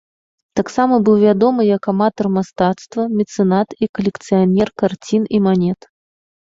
Таксама быў вядомы як аматар мастацтва, мецэнат і калекцыянер карцін і манет.